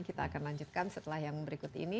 kita akan lanjutkan setelah yang berikut ini